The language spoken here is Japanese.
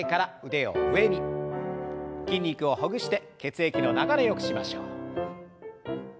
筋肉をほぐして血液の流れよくしましょう。